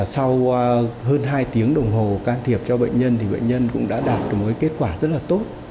sau hơn hai tiếng đồng hồ can thiệp cho bệnh nhân bệnh nhân cũng đã đạt được kết quả rất tốt